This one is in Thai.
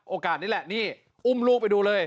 โอกาสนี้แหละนี่อุ้มลูกไปดูเลย